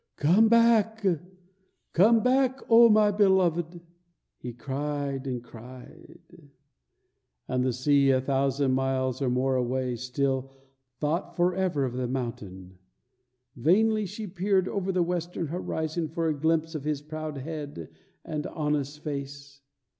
"Comeback, comeback, O my beloved!" he cried and cried. And the sea, a thousand miles or more away, still thought forever of the mountain. Vainly she peered over the western horizon for a glimpse of his proud head and honest face.